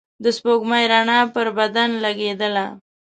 د سپوږمۍ رڼا پر بدنې لګېدله.